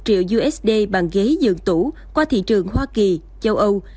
một mươi triệu usd bằng ghế dường tủ qua thị trường hoa kỳ châu âu